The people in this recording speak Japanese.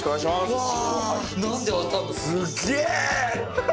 うわ！